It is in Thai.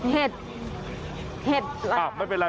เห็ดหายาก